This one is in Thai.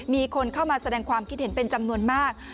มีคนเข้ามาแสดงความคิดเห็นเป็นจำนวนมาก